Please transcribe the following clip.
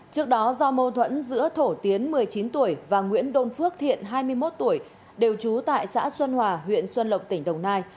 trước đó do mâu thuẫn giữa thổ tiến một mươi chín tuổi và nguyễn đôn phước thiện hai mươi một tuổi đều trú tại xã xuân hòa huyện xuân lộc tỉnh đồng nai